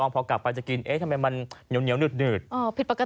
มาพิสูจน์กันเลยนะฮะอ่าเคี้ยวไม่ขาด